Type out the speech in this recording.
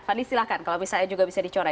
fadli silahkan kalau misalnya juga bisa dicorak